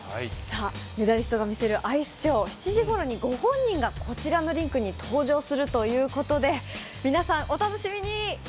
「メダリストが魅せるアイスショー」、７時過ぎにご本人がこちらのリンクに到着するということで皆さん、お楽しみに！